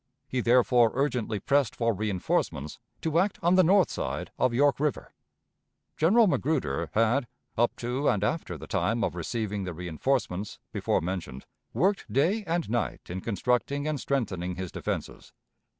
He therefore urgently pressed for reënforcements to act on the north side of York River. General Magruder had, up to and after the time of receiving the reënforcements before mentioned, worked day and night in constructing and strengthening his defenses.